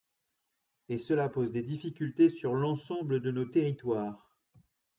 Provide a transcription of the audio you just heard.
Et cela pose des difficultés sur l’ensemble de nos territoires.